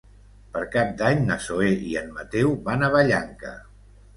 Per Cap d'Any na Zoè i en Mateu van a Vallanca.